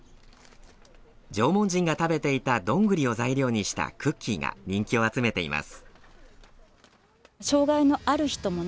縄文人が食べていたどんぐりを材料にしたクッキーが人気を集めています。